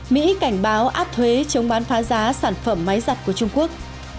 mỹ cảnh báo áp thuế chống bán phá giá sản phẩm máy giặt của trung quốc